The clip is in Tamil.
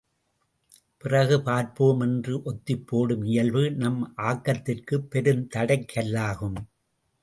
பிறகு பார்ப்போம் என்று ஒத்திப்போடும் இயல்பு நம் ஆக்கத்திற்குப் பெருந்தடைக் கல்லாகும்.